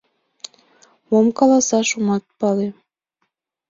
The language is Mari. — Мом каласаш — омат пале...